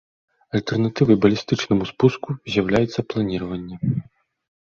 Альтэрнатывай балістычнаму спуску з'яўляецца планіраванне.